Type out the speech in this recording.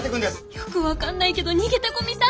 よく分かんないけど逃げて古見さん！